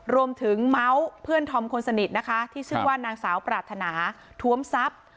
รวมถึงเม้าส์เพื่อนธรรมคนสนิทที่ชื่อว่านางสาวปรารถนาถวมทรัพย์